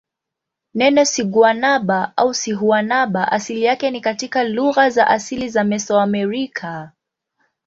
Neno siguanaba au sihuanaba asili yake ni katika lugha za asili za Mesoamerica.